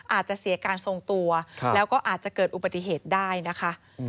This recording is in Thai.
อาจจะเสียการทรงตัวแล้วก็อาจจะเกิดอุบัติเหตุได้นะคะ